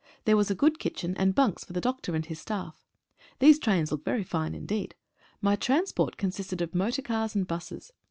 There was a good kitchen, and bunks for the doctor and his staff. These trains look very fine indeed. My transport con sisted of motor cars and buses.